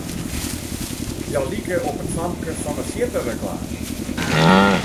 Hja like op it famke fan 'e sjippereklame.